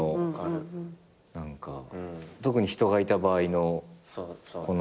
特に人がいた場合のこの何か。